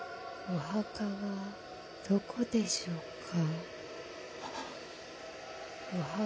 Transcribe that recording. ・お墓はどこでしょうか。